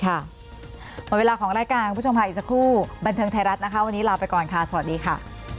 หมดเวลาของรายการคุณผู้ชมค่ะอีกสักครู่บันเทิงไทยรัฐนะคะวันนี้ลาไปก่อนค่ะสวัสดีค่ะ